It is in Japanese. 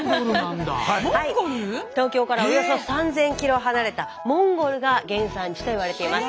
東京からおよそ３，０００キロ離れたモンゴルが原産地と言われています。